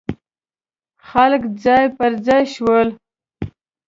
خلک ځای پر ځای شول.